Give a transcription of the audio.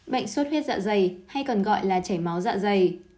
bệnh sốt huyết dạ dày hay còn gọi là chảy máu dạ dày